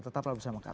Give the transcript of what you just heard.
tetap lagu sama kami